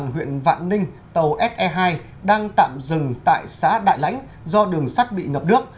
huyện vạn ninh tàu se hai đang tạm dừng tại xã đại lãnh do đường sắt bị ngập nước